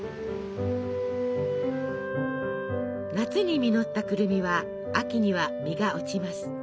夏に実ったくるみは秋には実が落ちます。